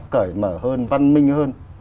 cởi mở hơn văn minh hơn